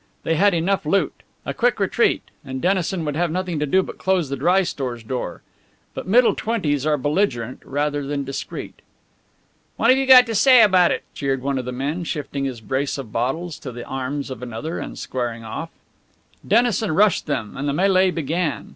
They had enough loot. A quick retreat, and Dennison would have had nothing to do but close the dry stores door. But middle twenties are belligerent rather than discreet. "What you got to say about it?" jeered one of the men, shifting his brace of bottles to the arms of another and squaring off. Dennison rushed them, and the mêlée began.